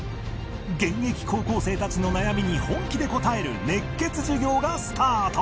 現役高校生たちの悩みに本気で答える熱血授業がスタート！